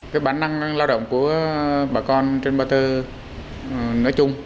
cái bản năng lao động của bà con trên ba tơ nói chung